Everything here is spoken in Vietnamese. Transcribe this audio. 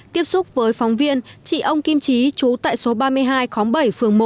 tiếp xúc với phóng viên chị ông kim trí chú tại số ba mươi hai khóng bảy phường một